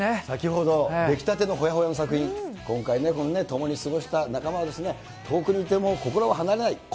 先ほど出来たてほやほやの作品、今回ね、共に過ごした仲間、遠くにいても心は離れない。